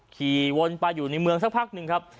ขี่วนไปอยู่ในเมืองสักพักหนึ่งครับ